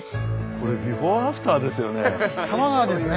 これ「ビフォーアフター」ですよね。